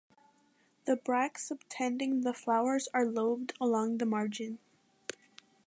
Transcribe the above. The bracts subtending the flowers are lobed along the margin.